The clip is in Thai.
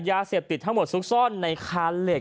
ยาเสพติดทั้งหมดซุกซ่อนในคานเหล็ก